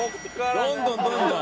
どんどんどんどん。